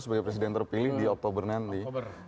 sebagai presiden terpilih di oktober nanti